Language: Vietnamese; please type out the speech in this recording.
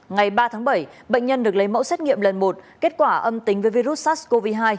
ngày ba tháng bảy bệnh nhân được lấy mẫu xét nghiệm lần một kết quả âm tính với virus sars cov hai